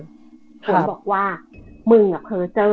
ฝนบอกว่ามึงเคยเจอ